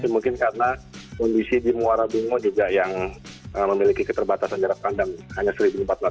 mungkin karena kondisi di muara bungo juga yang memiliki keterbatasan jarak pandang hanya seribu empat ratus